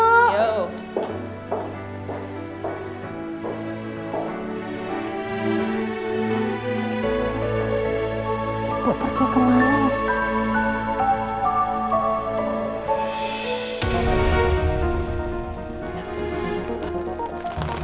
bu pergi kemana